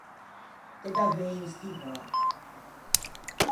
T’ê davei un stivâ!